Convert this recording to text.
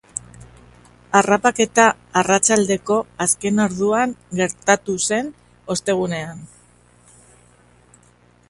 Harrapaketa arratsaldeko azken orduan gertatu zen, ostegunean.